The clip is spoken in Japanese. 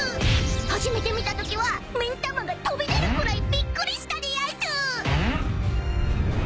初めて見たときは目ん玉が飛び出るくらいびっくりしたでやんす！］